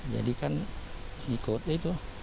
jadi kan ikut itu